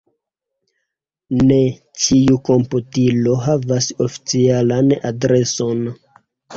Ne ĉiu komputilo havas oficialan adreson.